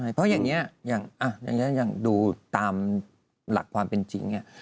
เพราะอย่างนี้อย่างดูตามหลักความเป็นจริงเนี่ย